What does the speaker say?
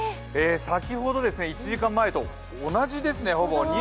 先ほど１時間前とほぼ同じですね。